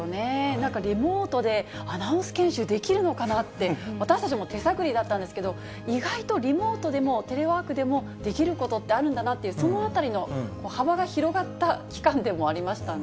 なんか、リモートでアナウンス研修できるのかなって、私たちも手さぐりだったんですけど、意外とリモートでも、テレワークでもできることってあるんだなっていう、そのあたりの幅が広がった期間でもありましたね。